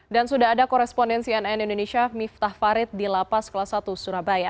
dan sudah ada korespondensi nn indonesia miftah farid di lapas kelas satu surabaya